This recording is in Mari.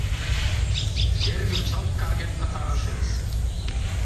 Эргым чылт карген пытарышыс!